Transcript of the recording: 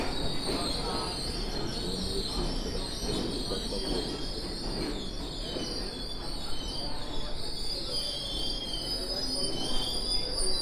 بۇنى بىز بىر قېتىم ئىسپاتلاپ بولدۇققۇ.